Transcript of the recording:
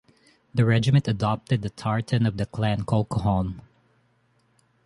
The regiment adopted the tartan of the Clan Colquhoun.